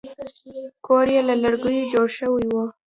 کور یې له لرګیو جوړ شوی و.